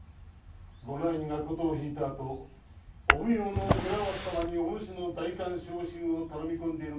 お内儀が琴を弾いたあとお奉行の寺脇様にお主の代官昇進を頼み込んでいた。